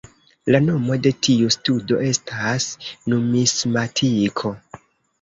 La nomo de tiu studo estas numismatiko.